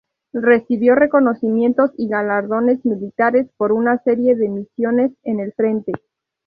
Recibió reconocimientos y galardones militares por una serie de misiones en el frente.